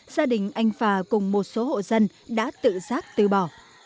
gia đình anh phà cùng một số hộ dân đã tự giác tư bỏ